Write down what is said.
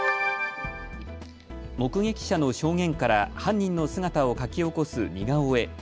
目撃者の証言から犯人の姿を描き起こす似顔絵。